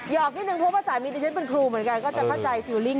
อกนิดนึงเพราะว่าสามีดิฉันเป็นครูเหมือนกันก็จะเข้าใจฟิลลิ่ง